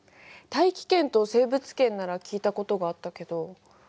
大気圏と生物圏なら聞いたことがあったけど。